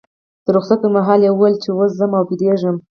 د رخصت پر مهال یې وویل چې اوس ځم او بیدېږم.